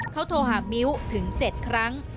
เขาโทรหามิ้วถึง๗ครั้ง